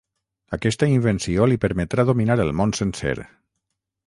Aquesta invenció li permetrà dominar el món sencer.